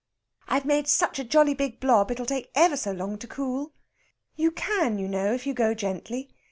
"I've made it such a jolly big blob it'll take ever so long to cool. You can, you know, if you go gently.